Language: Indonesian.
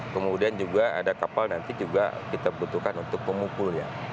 kemudian juga ada kapal nanti juga kita butuhkan untuk pemukul ya